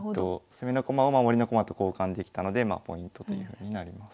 攻めの駒を守りの駒と交換できたのでポイントというふうになります。